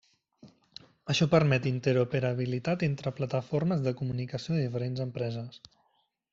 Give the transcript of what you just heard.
Això permet interoperabilitat entre plataformes de comunicació de diferents empreses.